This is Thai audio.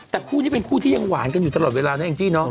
แต่คู่นี้เป็นคู่ที่ยังหวานกันอยู่ตลอดเวลานะแองจี้เนาะ